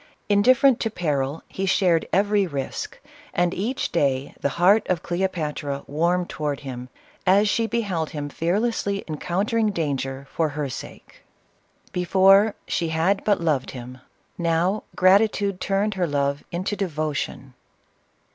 Indifferent to peril, he shared every risk ; and each day the heart of Cleopatra warmed toward him, as she beheld him fear lessly encountering danger for her sake. Before, she 2 26 CLEOPATRA. had but loved him, — now, gratitude turned her love into devotion.